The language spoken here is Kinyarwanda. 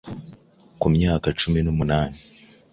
Ku myaka cumi nu munani